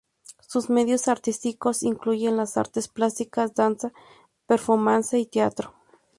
Sus medios artísticos incluyen las artes plásticas, danza, performance y teatro.